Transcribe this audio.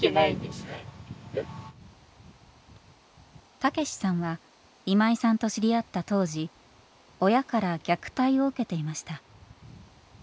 たけしさんは今井さんと知り合った当時親から虐待を受けていました。